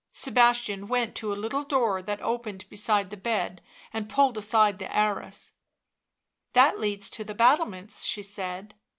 Sebastian went to a little door that opened beside the bed and pulled aside the arras. " That leads to the battlements," she said.